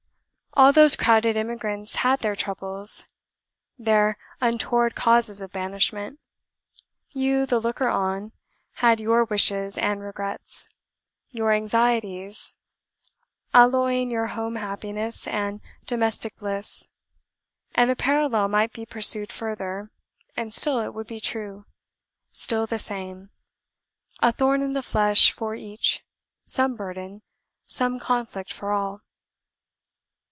"All those crowded emigrants had their troubles, their untoward causes of banishment; you, the looker on, had 'your wishes and regrets,' your anxieties, alloying your home happiness and domestic bliss; and the parallel might be pursued further, and still it would be true, still the same; a thorn in the flesh for each; some burden, some conflict for all.